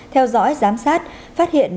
theo dõi giám sát phát hiện